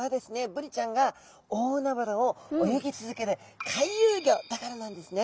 ブリちゃんが大海原を泳ぎ続ける回遊魚だからなんですね。